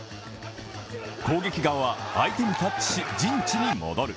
攻撃側は相手にタッチし陣地に戻る。